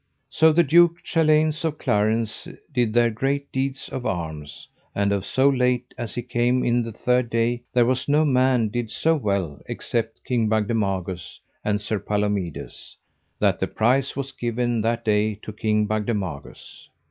So the Duke Chaleins of Clarance did there great deeds of arms, and of so late as he came in the third day there was no man did so well except King Bagdemagus and Sir Palomides, that the prize was given that day to King Bagdemagus.